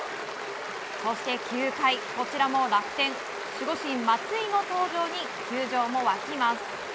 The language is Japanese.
そして９回、こちらも楽天守護神・松井の登場に球場も沸きます。